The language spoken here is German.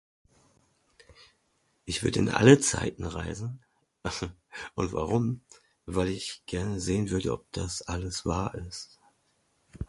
Ich würd in alle Zeiten reisen und warum? Weil ich gerne sehen würde ob das alles wahr ist.